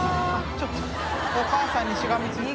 ちょっとお母さんにしがみついて。